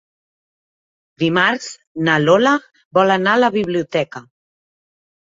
Dimarts na Lola vol anar a la biblioteca.